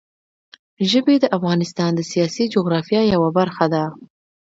ژبې د افغانستان د سیاسي جغرافیه یوه برخه ده.